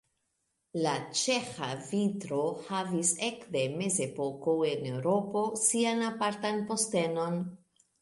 La ĉeĥa vitro havis ekde mezepoko en Eŭropo sian apartan postenon.